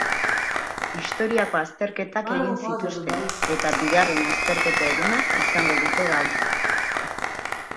Historiako azterketak egin zituzten, eta bigarren azterketa eguna izango dute gaur.